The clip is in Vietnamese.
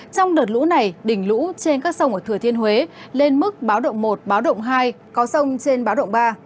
trong đợt lũ này đỉnh lũ trên các sông ở thừa thiên huế lên mức báo động một báo động hai có sông trên báo động ba